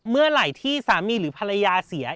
เมื่อไหร่ที่สามีหรือภรรยาเสีย